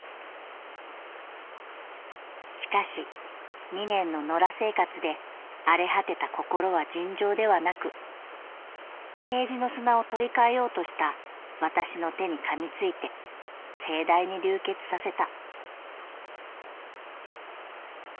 「しかし二年の野良生活で荒れ果てた心は尋常ではなくケージの砂を取り換えようとした私の手にかみついて盛大に流血させた」。